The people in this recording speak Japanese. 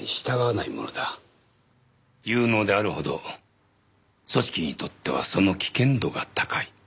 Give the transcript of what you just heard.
有能であるほど組織にとってはその危険度が高い。